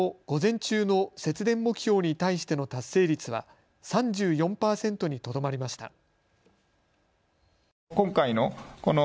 午前中の節電目標に対しての達成率は３４％にとどまりました。